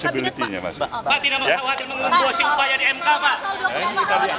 kita lihat perkembangan di depan